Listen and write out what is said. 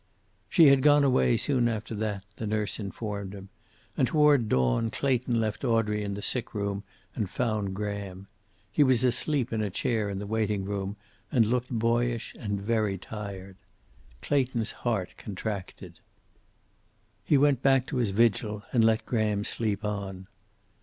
She had gone away soon after that, the nurse informed him. And toward dawn Clayton left Audrey in the sick room and found Graham. He was asleep in a chair in the waiting room, and looked boyish and very tired. Clayton's heart contracted. He went back to his vigil, and let Graham sleep on.